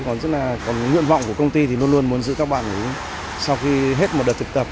còn rất là còn nguyện vọng của công ty thì luôn luôn muốn giữ các bạn ấy sau khi hết một đợt thực tập